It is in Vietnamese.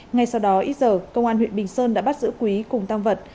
ngay sau đó ít giờ công an huyện bình sơn đã bắt giữ quý cùng tăng vật